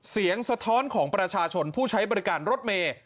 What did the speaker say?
สะท้อนของประชาชนผู้ใช้บริการรถเมย์